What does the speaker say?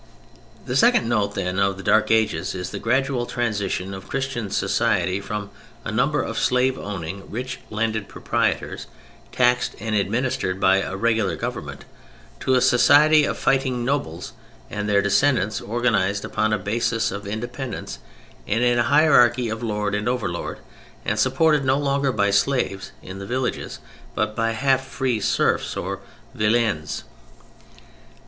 The second note, then, of the Dark Ages is the gradual transition of Christian society from a number of slave owning, rich, landed proprietors, taxed and administered by a regular government, to a society of fighting nobles and their descendants, organized upon a basis of independence and in a hierarchy of lord and overlord, and supported no longer by slaves in the villages, but by half free serfs or "villeins."